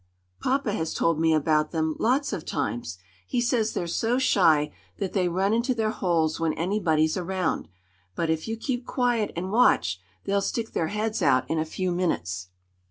"Papa has told me about them, lots of times. He says they're so shy that they run into their holes when anybody's around; but if you keep quiet and watch, they'll stick their heads out in a few minutes."